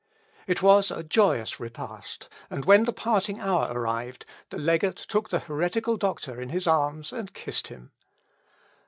It was a joyous repast, and when the parting hour arrived, the legate took the heretical doctor in his arms and kissed him.